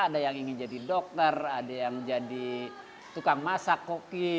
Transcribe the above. ada yang ingin jadi dokter ada yang jadi tukang masak koki